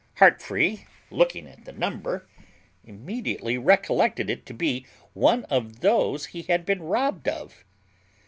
Heartfree, looking at the number, immediately recollected it to be one of those he had been robbed of.